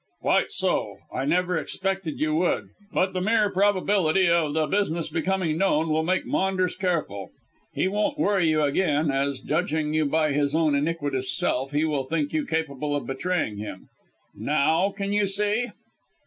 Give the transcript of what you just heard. "Quite so. I never expected you would. But the mere probability of the business becoming known will make Maunders careful. He won't worry you again, as, judging you by his own iniquitous self, he will think you capable of betraying him. Now can you see?"